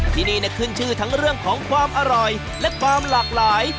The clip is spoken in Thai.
ที่นี่ขึ้นชื่อทั้งเรื่องของความอร่อยและความหลากหลาย